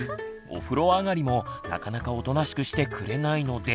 お風呂上がりもなかなかおとなしくしてくれないので。